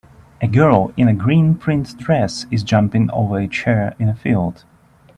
A girl in a green print dress is jumping over a chair in a field.